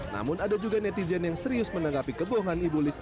namun ada juga netizen yang serius menanggapi kebohongan ibu liz